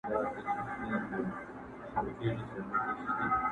o هم فقر کوي، هم ئې خر لغتي وهي!